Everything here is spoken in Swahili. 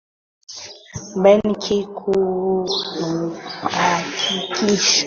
benki kuu inhakikisha usalama na uimara katika mfumo wa shughuli za kibenki